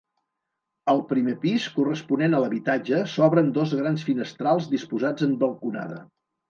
Al primer pis, corresponent a l'habitatge, s'obren dos grans finestrals disposats en balconada.